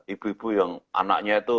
ibu ibu yang anaknya itu